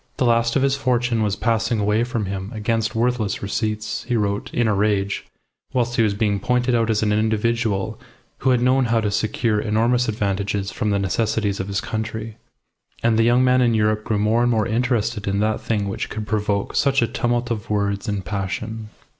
The last of his fortune was passing away from him against worthless receipts, he wrote, in a rage, whilst he was being pointed out as an individual who had known how to secure enormous advantages from the necessities of his country. And the young man in Europe grew more and more interested in that thing which could provoke such a tumult of words and passion.